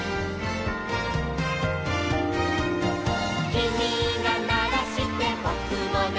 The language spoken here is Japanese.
「きみがならしてぼくもなる」